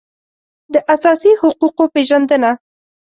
د اساسي حقوقو پېژندنه